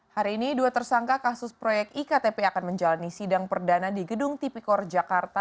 hari ini dua tersangka kasus proyek iktp akan menjalani sidang perdana di gedung tipikor jakarta